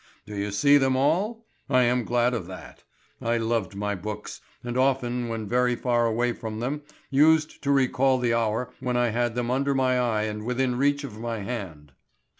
Do you see them all? I am glad of that; I loved my books, and often when very far away from them used to recall the hour when I had them under my eye and within reach of my hand."